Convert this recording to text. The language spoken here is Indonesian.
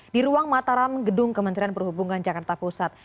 di ruang mataram gedung kementerian perhubungan jakarta pusat